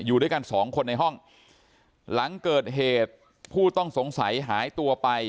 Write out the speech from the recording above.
อยู่ด้วยกันสองคนในห้องหลังเกิดเหตุผู้ต้องสงสัยหายตัวไป